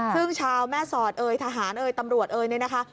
ซึ่งชาวแม่สอดเอยทหารเอยตำรวจเอยเนี่ยนะคะ